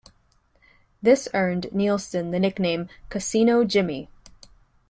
This earned Nielsen the nickname "Casino-Jimmy".